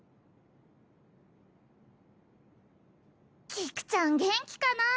菊ちゃん元気かな？